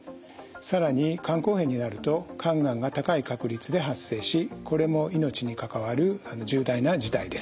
更に肝硬変になると肝がんが高い確率で発生しこれも命に関わる重大な事態です。